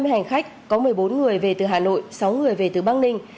hai mươi hành khách có một mươi bốn người về từ hà nội sáu người về từ bắc ninh